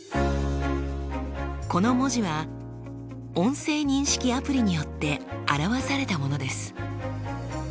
この文字は音声認識アプリによってあらわされたものです。